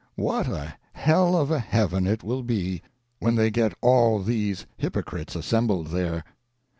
What a hell of a heaven it will be, when they get all these hypocrites assembled there!